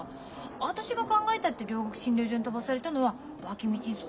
私が考えたって両国診療所に飛ばされたのは脇道にそれてるよ。